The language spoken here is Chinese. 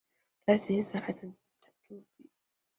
他在新萨莱等地铸币。